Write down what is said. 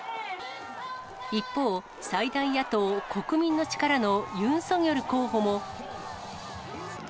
一方、最大野党・国民の力のユン・ソギョル候補も。